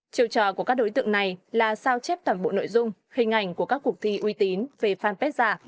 chiều trò của các đối tượng này là sao chép toàn bộ nội dung hình ảnh của các cuộc thi uy tín về fanpage giả